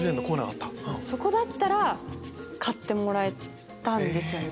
そこだったら買ってもらえたんですよね。